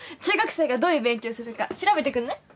中学生がどういう勉強するか調べてくんね。